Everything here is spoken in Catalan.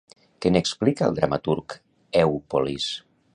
Què n'explica el dramaturg Èupolis?